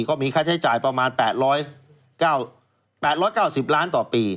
ก็มีค่าใช้จ่ายประมาณ๘๙๐ล้านต่อปี